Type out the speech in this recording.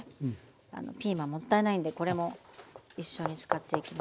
ピーマンもったいないんでこれも一緒に使っていきます。